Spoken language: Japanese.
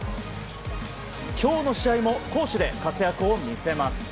今日の試合も攻守で活躍を見せます。